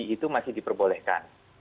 itu masih diperbolehkan